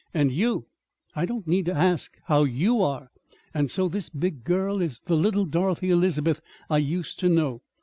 And you I don't need to ask how you are. And so this big girl is the little Dorothy Elizabeth I used to know.